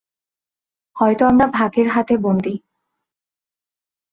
হয়তো আমরা ভাগ্যের হাতে বন্দি।